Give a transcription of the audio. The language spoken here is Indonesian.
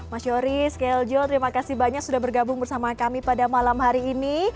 mas yoris kljo terima kasih banyak sudah bergabung bersama kami pada malam hari ini